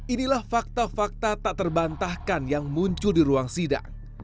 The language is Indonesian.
inilah fakta fakta tak terbantahkan yang muncul di ruang sidang